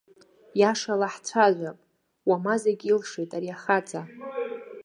Иашала ҳцәажәап, уама зегь илшеит ари ахаҵа!